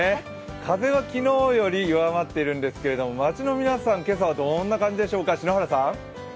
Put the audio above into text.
風は昨日より弱まっているんですけど街の皆さん、今朝はどんな感じでしょうか。